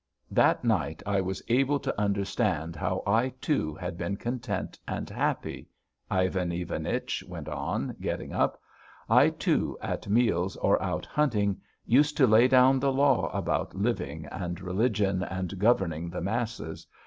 "That night I was able to understand how I, too, had been content and happy," Ivan Ivanich went on, getting up. "I, too, at meals or out hunting, used to lay down the law about living, and religion, and governing the masses.